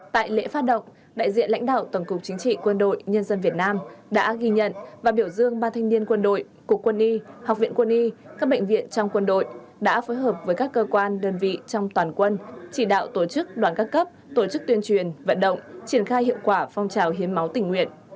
tại lễ phát động đại diện lãnh đạo tổng cục chính trị quân đội nhân dân việt nam đã ghi nhận và biểu dương ba thanh niên quân đội cục quân y học viện quân y các bệnh viện trong quân đội đã phối hợp với các cơ quan đơn vị trong toàn quân chỉ đạo tổ chức đoàn các cấp tổ chức tuyên truyền vận động triển khai hiệu quả phong trào hiến máu tỉnh nguyện